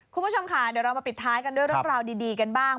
คุณผู้ชมค่ะเดี๋ยวเรามาปิดท้ายกันด้วยเรื่องราวดีกันบ้าง